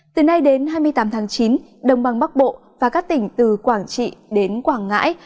từ nay đến hai mươi tám tháng chín đồng bằng bắc bộ và các tỉnh từ quảng trị đến quảng ngãi